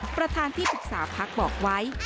ประธานที่ศึกษาภักดิ์บอกไว้